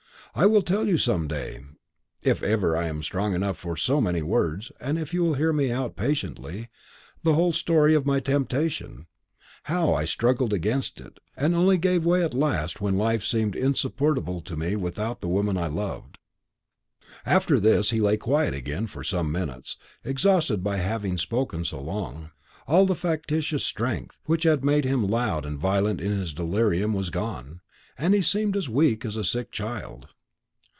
I will tell you some day if ever I am strong enough for so many words, and if you will hear me out patiently the whole story of my temptation; how I struggled against it, and only gave way at last when life seemed insupportable to me without the woman I loved." After this he lay quiet again for some minutes, exhausted by having spoken so long. All the factitious strength, which had made him loud and violent in his delirium, was gone; he seemed as weak as a sick child.